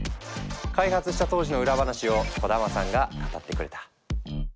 開発した当時の裏話を小玉さんが語ってくれた。